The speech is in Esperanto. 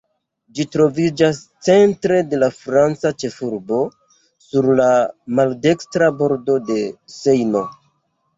Ĝi troviĝas centre de la franca ĉefurbo, sur la maldekstra bordo de Sejno.